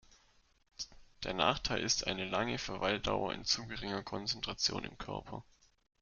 Der Nachteil ist eine lange Verweildauer in zu geringer Konzentration im Körper.